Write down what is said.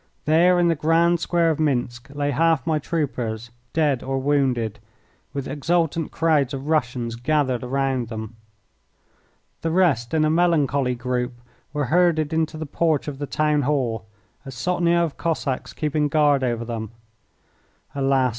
There in the grand square of Minsk lay half my troopers dead or wounded, with exultant crowds of Russians gathered round them. The rest in a melancholy group were herded into the porch of the town hall, a sotnia of Cossacks keeping guard over them. Alas!